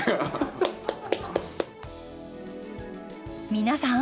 皆さん